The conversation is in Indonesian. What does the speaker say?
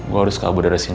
gue harus kabur dari sini